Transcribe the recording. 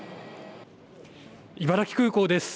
茨城空港です。